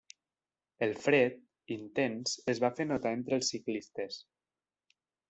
El fred, intens, es va fer notar entre els ciclistes.